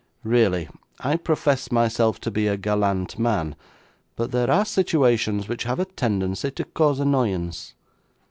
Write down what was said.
Really, I profess myself to be a gallant man, but there are situations which have a tendency to cause annoyance.